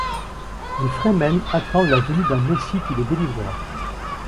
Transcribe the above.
Les Fremen attendent la venue d’un messie qui les délivrera.